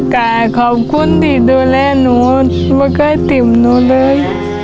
แต่ขอบคุณที่ดูแลหนูไม่เคยติ่มหนูเลย